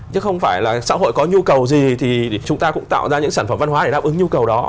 chứ không phải là xã hội có nhu cầu gì thì chúng ta cũng tạo ra những sản phẩm văn hóa để đáp ứng nhu cầu đó